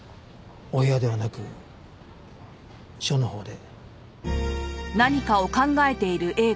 お部屋ではなく署のほうで。